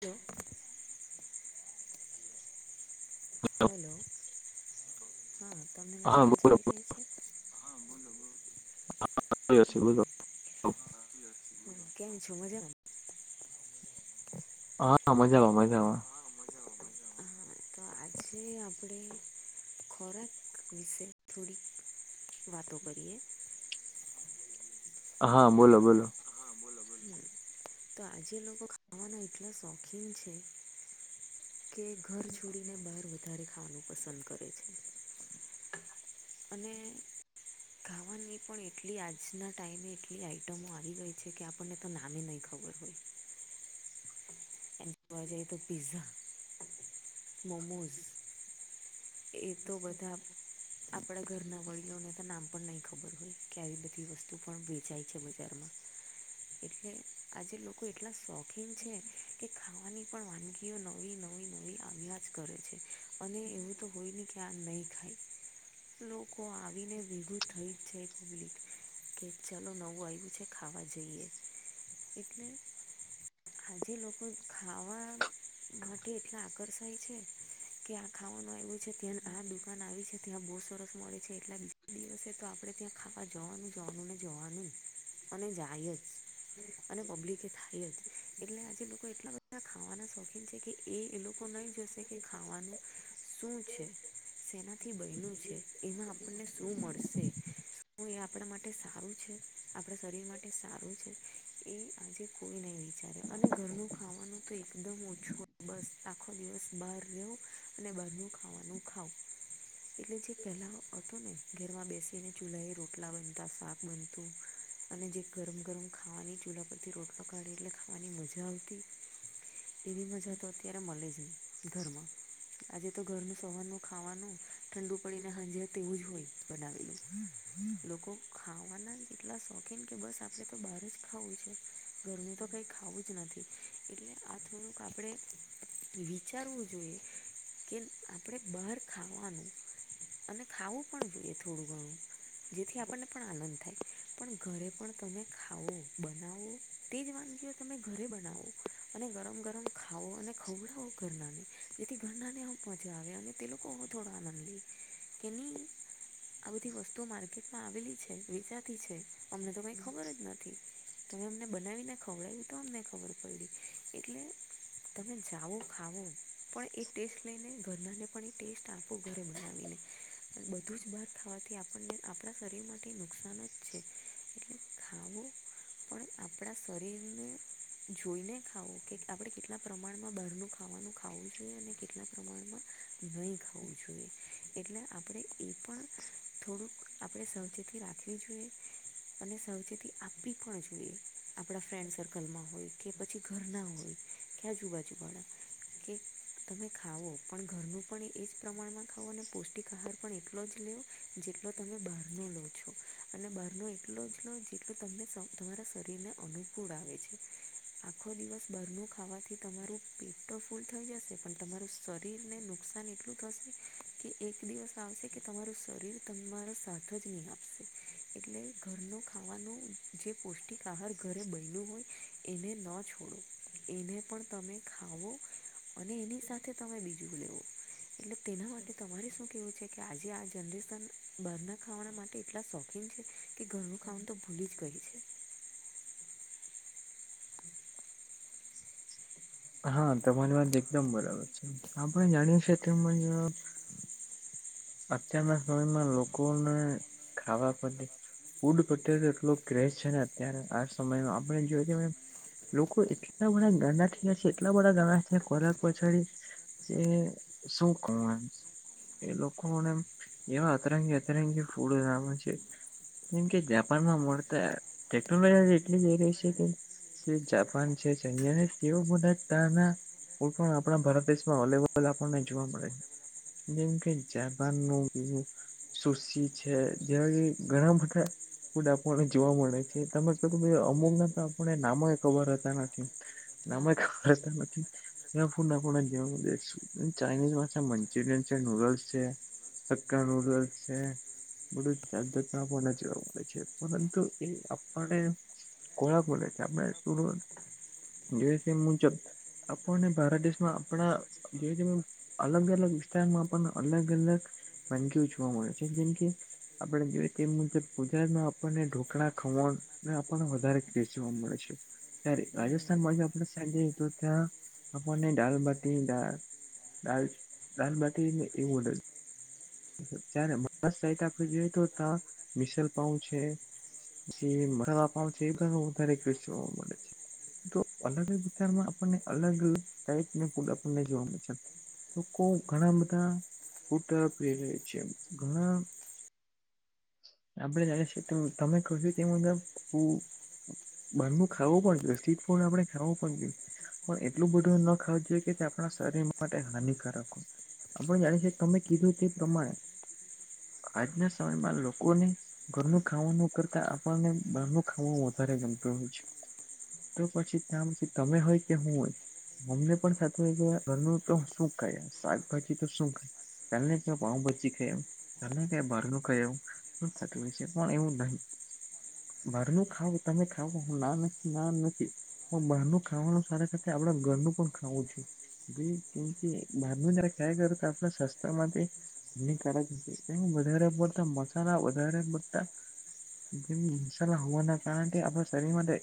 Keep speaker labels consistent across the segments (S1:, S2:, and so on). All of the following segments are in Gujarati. S1: હલો હલો હા તમને મારો
S2: હા
S1: અવાજ
S2: બોલો
S1: આવી રહ્યો છે? હા બોલો. બોલો
S2: [inaudible]
S1: આવી રહ્યો છે કેમ છો મજામાં?
S2: હા મજામાં, મજામાં.
S1: હા મજામાં મજામાં. હા તો આજે આપણેે ખોરાક વિશે થોડીક વાતો કરીએ. [inaudible]
S2: હા બોલો બોલો.
S1: હા બોલો બોલો. હમ, તો આજે લોકો ખાવાના એટલા શોખીન છે કે ઘર છોડીને બહાર વધારે ખાવાનું પસંદ કરે છે. અને ખાવાની પણ એટલી આજના ટાઈમે એટલી આઈટમો આવી ગઈ છે કે આપ અને તો નામે નહી ખબર હોય. એવા જાય તો પિ્ઝા, મોમોઝ એ તો બધા આપણા ઘરના વડીલોને તો નામ પણ નહી ખબર હોય કે આવી બધી વસ્તુ પણ વેચાય છે બજારમાં. એટલે આજે લોકો એટલા શોખીન છે કે ખાવાની પણ વાનગી નવી નવી નવી અભ્યાજ કરે છે અને એવું તો કોઈને ખ્યાલ નહી હોય લોકો આવીને ભેગું થઈ જ છે ખાલી. કે ચાલો નવું આવ્યું છે, ખાવા જઈએ. એટલે આજે લોકો ખાવા માટે એટલા આકર્ષાય છે. કે આ ખાવાનું આવું છે, ત્યાં આ દુકાન આવી છે, ત્યાં બહુ સરસ મળે છે એટલા બીજા દિવસે તો આપણે ત્યાં આ જાવાનું જવાનું ને જોવાનું અને જાય જ. અને પબ્લિક એ ખાય જ એટલે આજે લોકો એટલા બધા ખાવાના શોખીન છે કે એ એ લોકો ને શે કે ખાવાનું શું છે, સેનાથી બહેલ છે, એમાં આપણને શું મળશે હું એ આપણા માટે સારું છે, આપણા શરીર માટે સારું છે? એ આજે કોઈ નહી વિચારે અને ઘરનું ખાવાનું તો એકદમ ઓછું બસ આખો દિવસ બહાર રહેવુ અને બારનું ખાવાનું ખાવ એટલે જે પહેલા અટ ને ઘેરમાં બેસીને ચૂલા એ રોટલા બનતા, સાક બનતું અને જે ગરમ ગરમ ખાવાની ચૂલા પરથી રોટ ન કાઢી એટલે ખાવાની મજા આવતી ને એવી મજા તો અત્યારે મળે જ ને ઘરમાં. આજે તો ઘરનું સવારનું ખાવાનું ઠંડુ પડીને હાજે તેવું જ હોય બનાવેલું. લોકો ખાવાના એટલા શોખીન કે બસ આપડે તો બહાર જ ખાવું છે. ઘરનું તો કઈ ખાવું જ નથી. એટલે આ થોડુંક આપણે વિચારવું જોઈએ. કે આપણે બહાર ખાવાનું અને ખાવું પણ જોઈએ થોડું ઘણું. જેથી આપણને પણ આનંદ થાય. પણ ઘરે પણ તમે ખાવો, બનાવો તેજ વાનગી હો તમે ઘરે બનાવો. અને ગરમ ગરમ ખાવો અને ખવડાવો ઘરનાની જેથી ઘ ઘરના ને હો મજા આવે અને તે લોકો થોડા આનંદી કેની આ બધી વસ્તુઓ માર્કેટમાં આવેલી છે, વેચાતી છે. અમને તો કઈ ખબર જ નથી. તમે અમને બનાવીને ખવડાવ્યું તો અમને ખબર પડ એટલે તમે જાવો ખાવા પણ એ ટેસ્ટ લઈને ઘરનાને પણ એ ટેસ્ટ આપો ઘરે બનાવીને બધું જ બાર ખાવાથી આપણને આપણા શરીર માટે નુકસાન જ છે. એટ ખાવું પણ આપડા શરીરને જોઈને ખાઓ કે આપડે કેટલા પ્રમાણમાં બહારનું ખાવાનું ખાવું જોઈએ અને કે ટલા પ્રમાણમાં નઈ ખાખું જોઈએ. એટલે આપડે એ પણ થોડુંક આપડે સાવચેતી રાખવી જોઈએ. અને સાવચેતી આપ્પી પણ જોઈએ. આપણા ફ્રેન્ડ સર્કલમાં હોય કે પછી ઘરના હોય કે આજુબાજુવાળા. કે તમે ખાવો પણ ઘરનું પણ એજ પ્રમાણમાં ખાવો પૌષ્ટિક આહાર પણ એટલો જ લ્યો જેટલો તમે બહારનો લો છો. અને બહારનો એટલો જ લો જેટલો તમને શ તમારા શરીરને અનુકૂળ આવે છે. આખો દિવસ બહારનું ખાવાથી તમારું પેટ તો ફૂલ થઈ જશે પણ તમારું શરીરને નુકસાન એટલું થશે કે એક દિવસ આવશે કે તમારું શરીર તમારો સાથે જ નઈ આપશે. એટલે ઘરનું ખાવાનું જે પૌષ્ટિક આહાર ઘરે બયનું હોય એને ન છોડો. એને પણ તમે ખાવો. અને એની સાથે તમે બીજું લેવો. એટલે તેના માટે તમારે શું કેવું છે કે આજે આ જનરેશન બહારના ખાવાના માટે એટલા શોખીન છે કે ઘરનું ખાવાનું તો ભૂલી જ ગય છે. [inaudible]
S2: હા તમારી વાત એકદમ બરાબર છે. આપણે જાણીએ છે તેમ જ
S1: [unintelligible]
S2: અત્યારના સમયમાં લોકોને ખાવા પ્રત્યે ફૂડ પ્રત્યે તો એટલો ક્રેઝ છે ને અત્યારે આ સમયમાં. આપણે જોઈએ ને લોકો એટલા બધા ગાંડા થ્યાં છે, એટલા બધા ગાંડા થ્યાં ખોરાક પાછડી જે શું કઉ એમ. એ લોકોને એવા અતરંગી અતરંગી ફૂડ આવે છે. જેમ કે જાપાનમાં મળતા ટેકનોલોજી એટલી જઈ રહી છે કે છે જાપાન છે, ચેનિયા છે. તેઓ મોટા તાના ઓ પણ આપણા ભારત દેશમાં અવલેબલ આપણને જોવા મળે. જેમ કે જાપાનનું પીવું સુશી છે. જેવા કે ઘણા બધા ફૂડ આપણને જોવા મળે છે. તમે કીધું ભાઈ અમુક
S1: હમ
S2: ના તો આપણે નામ જ ખબર હોતા નથી, નામય
S1: હા
S2: ખબર હોતા નથી. એવા ફૂડ આપણે [unintelligible] અન ચાઇનીઝમાં છે મંચુરિયન છે, નુડલ્સ છે હક્કા નુડલ્સ છે. બધું જાત જાતનું આપણને જોવા મળે છે પરંતુ એ આપણે [unintelligible] જે તે મુજબ આપણને ભારત દેશમાં આપણા જે અલગ અલગ વિસ્તારમાં પણ અલગ અલગ વાનગીઓ જોવા મળે છે. જેમ કે આપણે જોઈએ તે મુજબ ગુજરાતમાં આપણને ઢોકળા, ખમણ ને આપણને વધારે કેસ જોવા મળે છે. ત્યારે
S1: હમ
S2: રાજસ્થાન બાજુ આપણને [unintelligible] જોતા આપણને દાલબાટી દાલ દાલ દાલબાટીને એવું મળે. જ્યાંરે મહારાષ્ટ્ર સાઈટ આપડે જોય તો તાં મિશલપાઉં છે પસી [unintelligible] જોવા મળે છે. તો અલગ જ વિસ્તારમાં આપણને અલગ ટાઈપને ફૂડ આપણને જોવા મળે છે. લોકો ઘણા બધા [unintelligible] છે. ઘણા આપણે [unintelligible] તેમ કહ્યું તે મુજબ ઉ બહારનું ખાવું પણ જોઈએ, સ્ટ્રીટ ફૂડ આપડે ખાવું પણ જોઈ પણ એટલું બધું ન ખાવું જોઈએ કે તે આપણા શરીર માટે હાનિકારક હો. આપણે જાણે છે તમે કીધું તે પ્રમાણે આજના સમયમાં લોકોને ઘરનું ખાવાનું કરતા આપણને બહારનું ખાવાનું વધારે ગમતું હોય છે. તો પછી ત્યાં પછી તમે હોય કે હું હોય મને પણ થાતું હોય કે ઘરનું તો શું ખાઈએ, શાકભાજી તો શું ખાઈએ. [unintelligible] કે પાઉંભાજી ખાઈ આવું, ગમે ત્યાં બહારનું ખાઈ આવું, મન થાતું હોય છે પણ એવું નહીં બહાર ખાવું તમે ખાવો હું ના નથી, ના નથી. પણ બહારનું ખાવાનું સાથે-સાથે આપણે ઘરનું પણ ખાવું જોઈએ. [unintelligible] કેમ કે બહારનું જ્યારે ખાયા કરી તો આપણી [unintelligible] હાનિકારક [inaudible] વધારે પડતાં મસાલા, વધારે પડતાં [inaudible] હોવાના કારણ કે આપણા શરીર માટે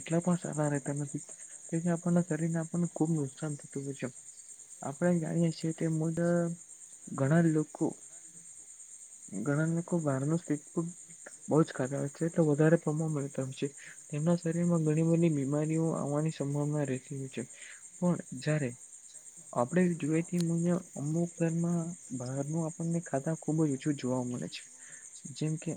S2: એટલા પણ સારા રહેતા નથી. તેથી આપણના શરીરને આપણને ખૂબ નુકસાન થતું હોય છે. આપણે જાણીએ છીએ કે [unintelligible] ઘણા લોકો, ઘણા લોકો બહારનું સ્ટ્રીટ ફૂડ બહું જ ખાતા હોય છે. તો [unintelligible] તેમના શરીર માં ઘણી બધી બીમારીઓ આવવાની સંભાવના રહેતી હોય છે. પણ જયારે, આપણે જોઈએ કે [unintelligible] અમુક [unintelligible] બહારનું આપણને ખાતા ખુબ જ ઓછું જોવા મળે છે. જેમ કે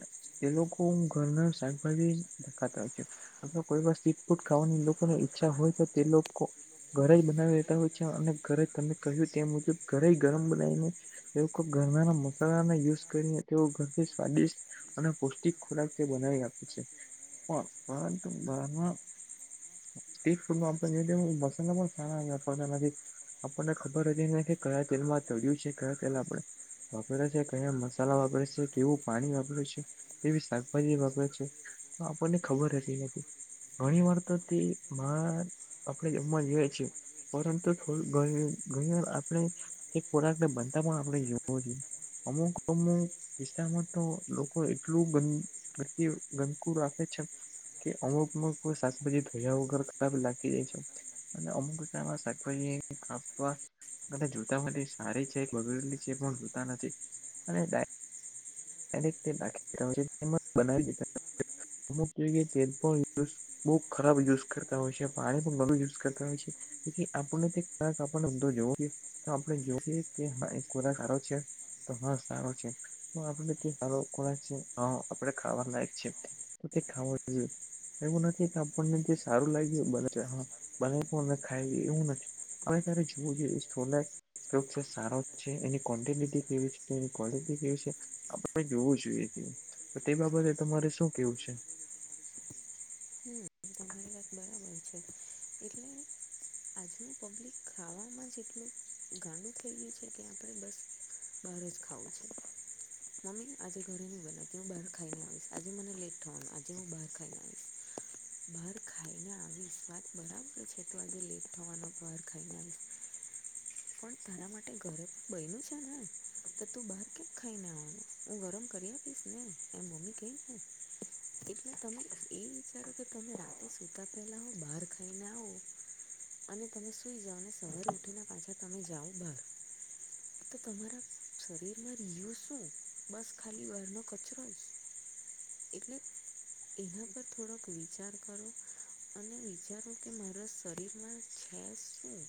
S2: એ લોકો ઘરના શાકભાજી જ ખાતા હોય છે. અથવા કોઈ વાર સ્ટ્રીટ ફૂડ ખાવાની એ લોકોને ઈચ્છા હોય તો તે લોકો ઘરેઈ બનાવી લેતા હોય છે. અને ઘરે તમે કહ્યું તે મુજબ ઘરેઈ ગરમ બનાઈને તેઓ ખૂબ ઘરનાના મસાલાના યુઝ કરીને તેઓ ઘરથી સ્વાદિષ્ટ અને પૌષ્ટિક ખોરાક તે બનાવી આપે છે. પણ પરંતુ બહારના સ્ટ્રીટ ફૂડમાં [unintelligible] આપણને ખબર જ નથી કે કયા તેલમાં તળિયું છે, કયા તેલ આપણે વાપરે છે, કયા મસાલા વાપરે છે, કેવું પાણી વાપરે છે? કેવી શાકભાજી વાપરે છે? તો આપણને ખબર રહેતી નથી. ઘણીવાર તો તે [unintelligible] આપણે જમવા જઈએ છે પરંતુ [unintelligible] ઘણી-ઘણી વાર આપણે તે ખોરાકને બનતા પણ આપણે જોવો જોઈએ. અમુક-અમુક વિસ્તારમાં તો લોકો એટલું ગં [unintelligible] ગંદકુ રાખે છે કે અમુક લોકો શાકભાજી ધોયા વગર ખરાબ નાખી દેય છે. અને અમુક [unintelligible] શાકભાજી [unintelligible] [unintelligible] સારી છે, બગડેલી છે એ પણ જોતા નથી. અને ડાય
S1: [inaudible]
S2: અને તે નાખી દેતા હોય છે તેમજ બનાવી [inaudible] અમુક [inaudible] બહુ ખરાબ યુઝ કરતા હોય છે. પાણી પણ ગંદુ યુઝ કરતા હોય છે. કેમ કે આપણને તે ખોરાક આપણને બધો જોવો જોઈએ, તો આપણે જોઈએ કે [inaudible] ખોરાક હારો છે. તો હા સારો છે. પણ આપને સારો ખોરાક છે આપડે ખાવા લાયક છે તો તે ખાવો જોઈએ. એવું નથી કે આપણને જે સારું લાગ્યું એ બનાવ્યું અને ખાય એવું નથી. આવે ત્યારે જોયે [unintelligible] ઉંપયોગ તો સારો છે એની કવોન્ટિનીટી કેવી છે એની ક્વોલટી કેવી છે? આપડે જોવું જોઈએ તેવું તો તે બાબતે તમારે શું કેવું છે?
S1: હમમ તમા તમારી વાત બરાબર છે એટલે આજનું પબ્લિક ખાવામાં જ એટલું ગાડુ થઈ ગયું છે કે આપડે બસ બહાર જ ખાવું છે. મમ્મી આજે ઘરે ની બનાવતી હું બહાર ખાઈને આવીશ, આજે મને લેટ થવાનું આજે હું બહાર ખાઈ ને આવીશ. બહાર ખાઈને આવીશ વાત બરાબર છે તો આજે લેટ થવાનો બહાર ખાઈને આવીશ. પણ તારા માટે ઘરે બયનું છે ને તો તું બહાર કેમ ખાઈને આવાનુ હું ગરમ કરીયા આપીશ ને એમ મમ્મી કેય ને એટલે તમે એ વિચારો કે તમે રાતે સુતા પેલા હું બહાર ખાઈને આવુ અને તમે સુઈ જાવને સવારે ઉઠીને પાછા તમે જાઓ બહાર. તો તમારા શરીરમાં રીયું શું બસ ખાલી બારનો કચરો. એટલે એના પર થોડોક વિચાર કરવો અને વિચારો કે મારા શરીરમાં છે શું?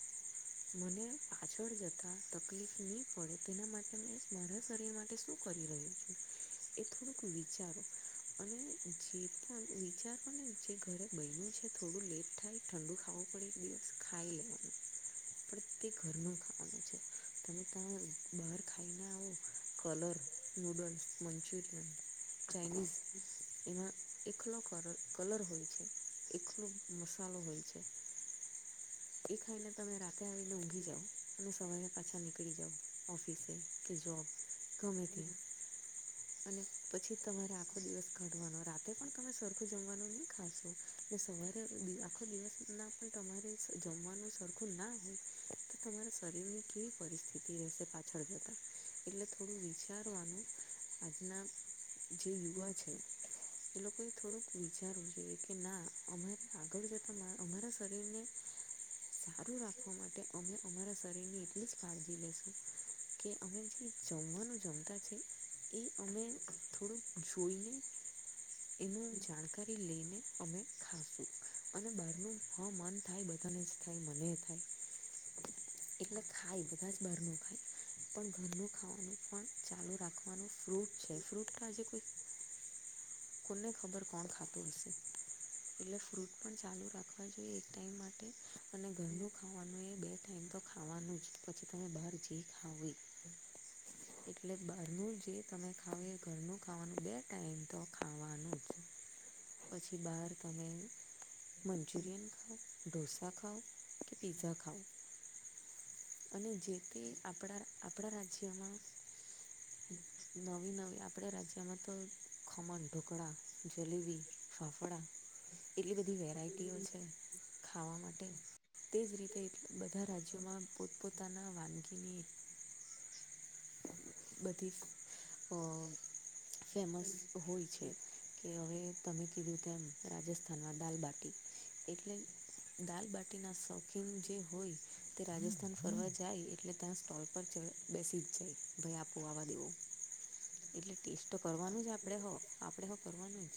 S1: મને પાછળ જતા તકલીફ ની પડે તેના માટે મારા શરીર માટે શું કરી રહ્યૂ છું. એ થોડુક વિચારો અને જે પણ વિચાર મળે ને જે ઘરે બયનું છે થોડું લેટ થાય ઠંડુ ખાવું પડે એક દિવસ ખાઈ લેવાનું. પણ તે ઘરનું ખાવાનું છે. તમે તા બાર ખાઈને આવો કલર, નુડલ્સ, મંચુરિયન. ચાઈનીઝ એમાં એકલો કલર કલર હોય છે એક્લો મશાલો હોય છે. એ ખાઈને તમે રાત્રે આવીને ઊઘી જાવ અને સવારે પાછા નીકળ નીકળી જવો ઓફિસે કે જોબ ગમે તયા અને પછી તમારે આખો દિવસ કાઢવાનો રાત રાતે પણ તમે સરખું જમવાનું નહી ખાશો તો સવારે આખો દિવસ ના પણ તમારે જમવાનું સરખું ના હોય તો તમારા શરીર ની કેવી પરિસ્થિતિ રહેશે પાછળ જતા? એટલે થોડું વિચારવાનું આજના જે યુવા છે એ લોકોએ થોડુંક વિચારવું જોઈએ. કે ના અમારે આગળ જતા અમારા શરીર ને સારું રાખવા માટે અમે અમારા શરીરની એટલી જ કાળજી લેશું કે અમે જે જમવાનું જમતા છે એ અમે થોડુંક જોઈએ ને એનું જાણકારી લઈને અમે ખાશું. અને બાર નું હા મન થાય બધાને જ થાય મને યે થાય. એટલે ખાય બધા જ બહાર નું ખાય પણ ઘર નું ખાવાનું પણ ચાલુ રાખવાનું ફ્રૂટ છે ફ્રૂટ ખાજે કોઈ કોને ખબર કોણ ખાત હશે એટલે ફ્રૂટ પણ ચાલુ રાખ જોઈએ ટ ખાવાનુ આ નજી પછી તમે બાર જે ખા. એટલે બહારનું જે તમે ખાવ એ ઘરનું ખાવાનું બે ટાઈમ તો ખાવાનું છે પછી બહાર તમે મંચુરિયન ખા ડોસા ખાઓ કે પિતઝા ખાઓ અને જેથી આપણા આપણા રાજ્યમાં નવી નવી આપડે રાજ્યમાં તો ખમણ ઢોકળા જલેબી ફાફડાા એટલી બધી વેરાયટીઓ છે. ખાવા માટે તે જ રીતે બધા રાજ્યોમાં પોતપોતાના વાનગીની બધી અ ફેમસ હોય છે. કે હવે તમે કીધું તેમ રાજસ્થાનમાં દાલબાટી એટલે દાલબાટી ના શોખીન જે હોય તે રાજસ્થાન ફરવા જાય એટલે તના સ્ટોલ પર બેસી જ જાય ભયા પોવાવા દેવું એટલે ટેસ્ટ તો કરવાનું જ. આપે હો આપડે કરવાનું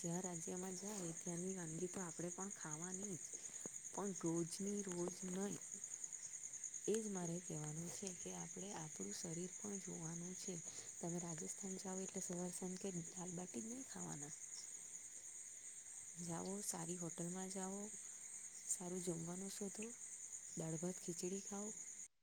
S1: જ્યાં રાજ્યમાં જાય ત્યાંની ડી તો આપણે પણ ખાવાની પણ રોજની રોજ નહી એ જ મારે કહેવાનું છે. કે આપણે આપું તમે રાજસ્થાન જાાવ એટલે સવારસન કે, દાલબટી નહી ખાવાના જાવ સારી હોટલ માં જાઓ સારું જમવાનું શોધો દાળભાત ખીચડી ખાવ